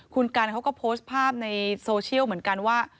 คุณกันเขาก็โพสต์ภาพในโซเชียลเหมือนกันว่า